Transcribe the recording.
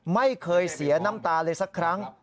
ไม่เคยเสียน้ำตาเลยสักครั้ง